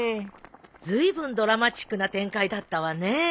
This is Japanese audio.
ずいぶんドラマチックな展開だったわね。